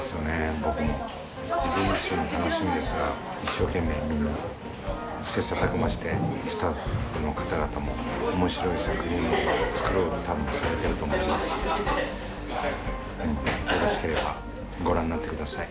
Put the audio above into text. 僕も自分自身も楽しみですが一生懸命みんな切磋琢磨してスタッフの方々も面白い作品をつくろうと多分されてると思いますよろしければご覧になってください